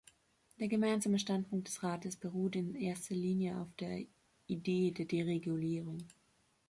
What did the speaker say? Der Gemeinsame Standpunkt des Rates beruht in erster Linie auf der Idee der Deregulierung.